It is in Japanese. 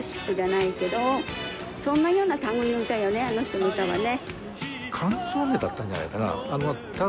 あの人の歌はね。